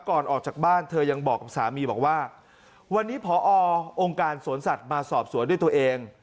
ออกจากบ้านเธอยังบอกกับสามีบอกว่าวันนี้พอองค์การสวนสัตว์มาสอบสวนด้วยตัวเอง